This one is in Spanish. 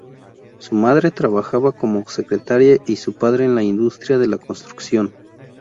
Su madre trabajaba como secretaria y su padre en la industria de la construcción.